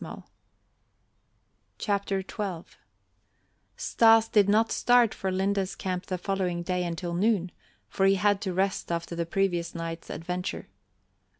XII Stas did not start for Linde's camp the following day until noon, for he had to rest after the previous night's adventure.